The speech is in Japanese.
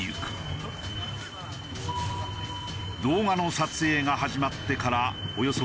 動画の撮影が始まってからおよそ